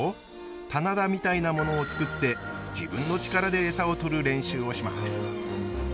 棚田みたいなものをつくって自分の力でエサをとる練習をします。